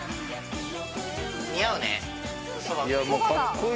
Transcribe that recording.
似合うね。